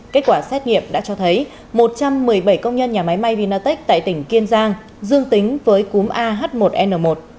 kết quả xét nghiệm đã cho thấy một trăm một mươi bảy công nhân nhà máy may vinatech tại tỉnh kiên giang dương tính với cúm ah một n một